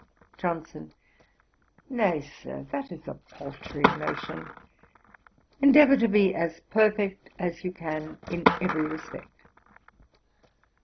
JOHNSON. 'Nay, Sir; that is a paltry notion. Endeavour to be as perfect as you can in every respect.'